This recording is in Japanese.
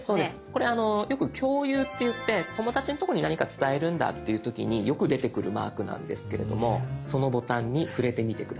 これよく「共有」っていって友達のとこに何か伝えるんだっていう時によく出てくるマークなんですけれどもそのボタンに触れてみて下さい。